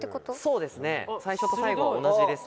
そうですね最初と最後は同じですね。